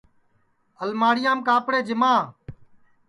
الماڑیام کاپڑے جیما